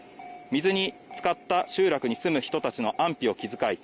水につかった集落に住む人たちの安否を気遣い